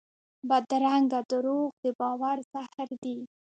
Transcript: بدرنګه دروغ د باور زهر دي